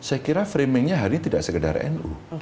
saya kira framingnya hari ini tidak sekedar nu